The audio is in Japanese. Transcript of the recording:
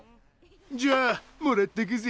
じゃあもらっとくぜ。